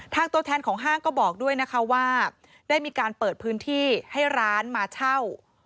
ตัวแทนของห้างก็บอกด้วยนะคะว่าได้มีการเปิดพื้นที่ให้ร้านมาเช่า